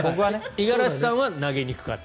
五十嵐さんは投げにくかった。